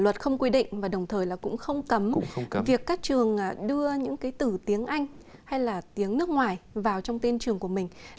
luật không quy định và đồng thời là cũng không cấm việc các trường đưa những cái từ tiếng anh hay là tiếng nước ngoài vào trong tên trường của mình